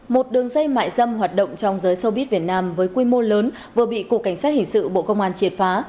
một đường dây mại dâm hoạt động trong giới sâu bít việt nam với quy mô lớn vừa bị cục cảnh sát hình sự bộ công an triệt phá